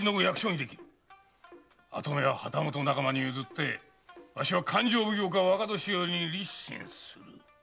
跡目は旗本仲間に譲ってわしは勘定奉行か若年寄に立身する。